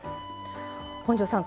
本上さん